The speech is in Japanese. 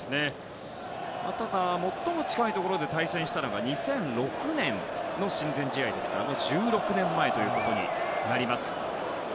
ただ、最も近いところで対戦したのが２００６年の親善試合ですからもう１６年前ということになります。